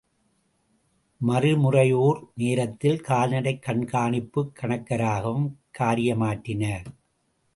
மறுமுறையோர் நேரத்தில் கால்நடைக் கண்காணிப்புக் கணக்கராகவும் காரியமாற்றினார்!